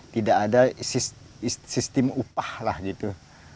tidak ada sistem upah lah gitu